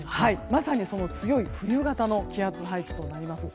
まさにその冬型の強い気圧配置となります。